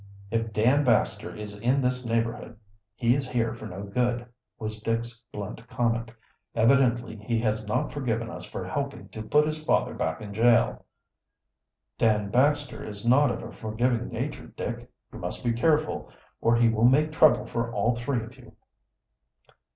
"If Dan Baxter is in this neighborhood, he is here for no good," was Dick's blunt comment. "Evidently he has not forgiven us for helping to put his father back in jail." "Dan Baxter is not of a forgiving nature, Dick. You must be careful, or he will make trouble for all three of you."